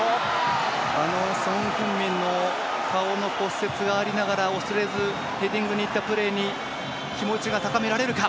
ソン・フンミンの顔の骨折がありながら恐れずヘディングにいったプレーに気持ちが高められるか。